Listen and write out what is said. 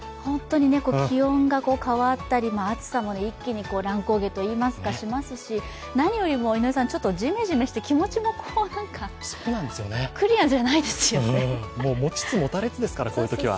気温が変わったり暑さも一気に乱高下しますし、何よりもジメジメして、気持ちもクリアじゃないですよね。もちつもたれつですから、こういうときは。